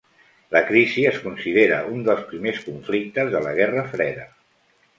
La crisi es considera un dels primers conflictes de la Guerra Freda.